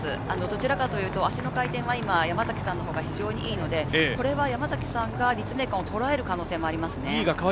どちらかというと足の回転が今、山崎さんのほうがいいので、これは山崎さんが立命館をとらえる可能性もあります。